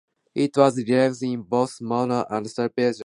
It was released in both mono and stereo versions.